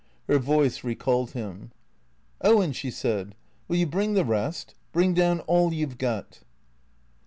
Her voice recalled him. "Owen," she said, "will you bring the rest? Bring down all you 've got."